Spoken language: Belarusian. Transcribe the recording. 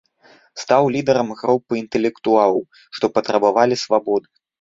Стаў лідарам групы інтэлектуалаў, што патрабавалі свабоды.